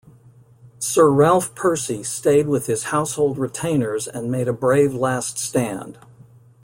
Sir Ralph Percy stayed with his household retainers and made a brave last stand.